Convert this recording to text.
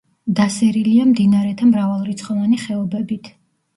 დასერილია მდინარეთა მრავალრიცხოვანი ხეობებით.